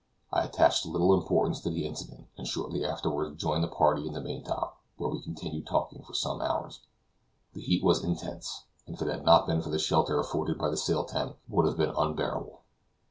I attached little importance to the incident, and shortly afterward joined the party in the main top, where we continued talking for some hours. The heat was intense, and if it had not been for the shelter afforded by the sail tent, would have been unbearable.